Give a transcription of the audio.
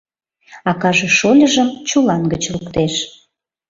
Акаже шольыжым чулан гыч луктеш.